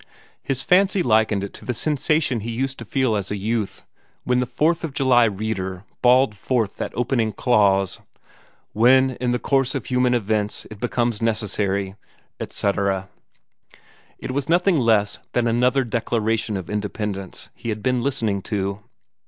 His fancy likened it to the sensation he used to feel as a youth, when the Fourth of July reader bawled forth that opening clause: "When, in the course of human events, it becomes necessary," etc. It was nothing less than another Declaration of Independence he had been listening to.